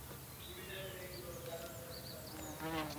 Tiffin টাইমে মেয়েগুলোর কান্ডকারখানা দেখতে এমন মজা লাগে!